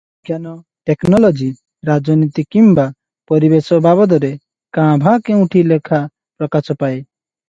ବିଜ୍ଞାନ-ଟେକନୋଲୋଜି, ରାଜନୀତି କିମ୍ବା ପରିବେଶ ବାବଦରେ କାଁ ଭାଁ କେଉଁଠି ଲେଖା ପ୍ରକାଶ ପାଏ ।